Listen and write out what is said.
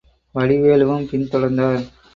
வடிவேலுவும் பின் தொடர்ந்தார்.